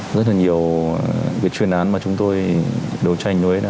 rất là nhiều việc truyền án mà chúng tôi đấu tranh với